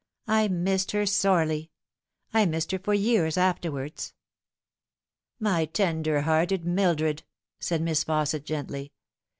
I missed her sorely. I missed her for years afterwards." " My tender hearted Mildred !" said Miss Fausset gently.